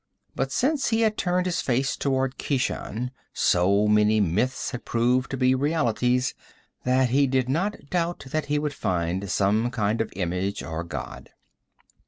But since he had turned his face toward Keshan, so many myths had proved to be realities that he did not doubt that he would find some kind of image or god.